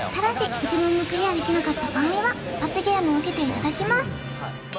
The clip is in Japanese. １問もクリアできなかった場合は罰ゲームを受けていただきます